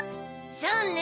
そうね